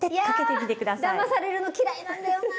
いやだまされるの嫌いなんだよな。